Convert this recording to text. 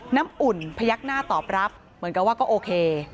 น้ำอุ่นพยักหน้าตอบรับเหมือนกับว่าก็โอเค